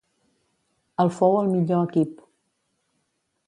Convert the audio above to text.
El fou el millor equip.